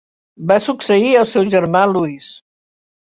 Va succeir al seu germà Louis.